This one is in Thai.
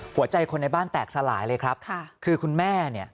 หัวใจคนในบ้านแตกสลายเลยครับค่ะคือคุณแม่เนี่ย